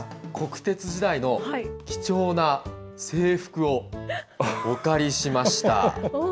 国鉄時代の貴重な制服をお借りしました。